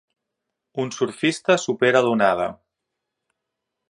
Un surfista supera l'onada.